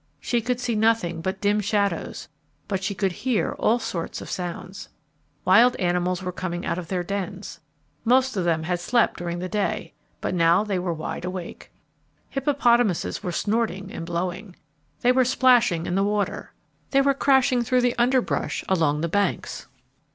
She could see nothing but dim shadows, but she could hear all sorts of sounds. Wild animals were coming out of their dens. Most of them had slept during the day, but now they were wide awake. [Illustration: The upper part of the river valley] Hippopotamuses were snorting and blowing. They were splashing in the water. They were crashing through the underbrush along the banks.